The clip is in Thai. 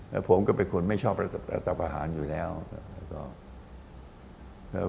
แล้วผมก็เป็นคนไม่ชอบรัฐประหารอยู่แล้ว